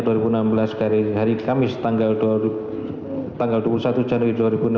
dari hari kamis tanggal dua puluh satu januari dua ribu enam belas